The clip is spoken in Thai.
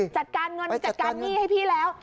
จัดการเงินจัดการหนี้ให้พี่แล้ว